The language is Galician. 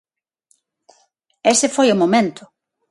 Ese foi o momento.